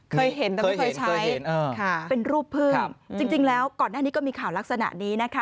เคยเห็นแต่ไม่เคยใช้เป็นรูปพึ่งจริงแล้วก่อนหน้านี้ก็มีข่าวลักษณะนี้นะคะ